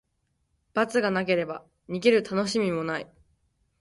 罰がなければ、逃げるたのしみもない。